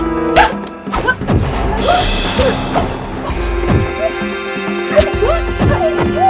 dia ingin berkumpul